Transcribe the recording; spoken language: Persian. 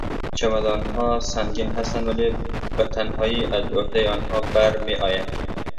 چمدانها سنگین هستند ولی به تنهایی از عهدهی آنها برمیآیم.